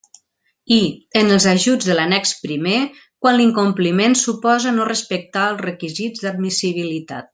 I, en els ajuts de l'annex primer, quan l'incompliment suposa no respectar els requisits d'admissibilitat.